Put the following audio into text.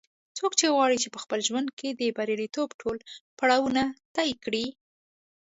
څوک غواړي چې په خپل ژوند کې د بریالیتوب ټول پړاوونه طې کړي